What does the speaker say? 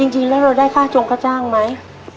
จริงแล้วเราได้ค่าจงค่าจ้างไหม